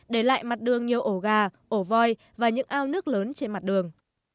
để lại mặt đường nhiều ổ gà ổ voi và những ao nước lớn trên mặt đường